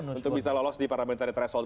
untuk bisa lolos di parliamentary threshold